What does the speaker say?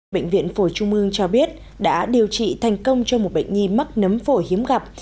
bệnh viện phổi trung mương cho biết đã điều trị thành công cho một bệnh nhi mắc nấm phổi hiếm gặp